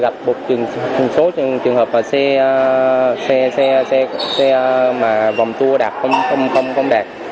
trường hợp xe mà vòng tour đạp không đạt